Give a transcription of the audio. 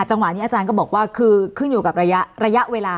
จังหวะนี้อาจารย์ก็บอกว่าคือขึ้นอยู่กับระยะเวลา